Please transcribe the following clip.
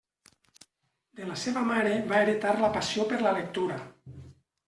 De la seva mare va heretar la passió per la lectura.